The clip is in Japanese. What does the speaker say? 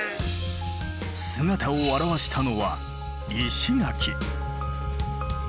姿を現したのは石垣。